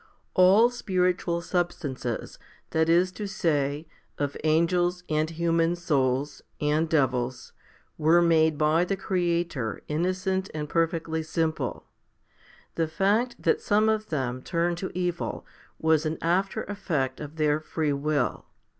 1. ALL spiritual substances, that is to say, of angels, and human souls, and devils, were made by the Creator innocent and perfectly simple. The fact that some of them turned to evil was an after effect of their free will.